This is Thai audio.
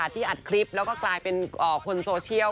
อัดคลิปแล้วก็กลายเป็นคนโซเชียล